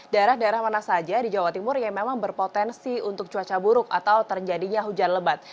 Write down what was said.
daerah daerah mana saja di jawa timur yang memang berpotensi untuk cuaca buruk atau terjadinya hujan lebat